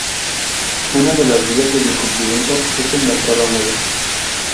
Una de las vías del incumplimiento es el mercado negro.